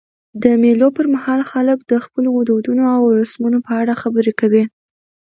د مېلو پر مهال خلک د خپلو دودونو او رسمونو په اړه خبري کوي.